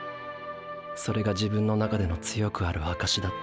それが自分の中での強くある証だった。